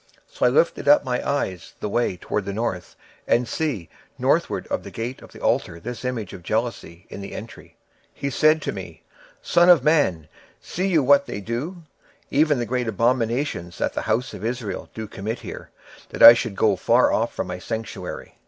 So I lifted up mine eyes the way toward the north, and behold northward at the gate of the altar this image of jealousy in the entry. 26:008:006 He said furthermore unto me, Son of man, seest thou what they do? even the great abominations that the house of Israel committeth here, that I should go far off from my sanctuary?